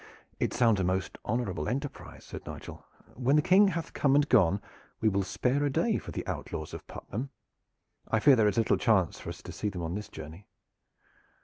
"It sounds a most honorable enterprise," said Nigel. "When the King hath come and gone we will spare a day for the outlaws of Puttenham. I fear there is little chance for us to see them on this journey."